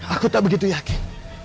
aku tak begitu yakin